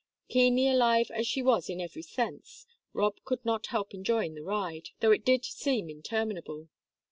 Keenly alive as she was in every sense, Rob could not help enjoying the ride, though it did seem interminable.